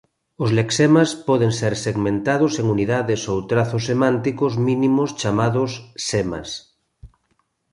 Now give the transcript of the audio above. Os lexemas poden ser segmentados en unidades ou trazos semánticos mínimos chamados "semas".